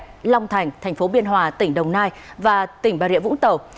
nhơn trạch long thành thành phố biên hòa tỉnh đồng nai và tỉnh bà rịa vũng tàu